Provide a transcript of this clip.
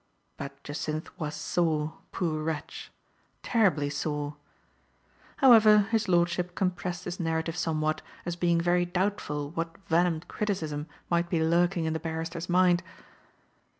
But Jacynth was sore, poor wretch ! Terribly sore ! However, his lordship compressed his narrative somewhat, as being very doubtful what venomed criticism might be lurking in the barrister's mind.